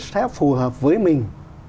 sẽ phù hợp với mình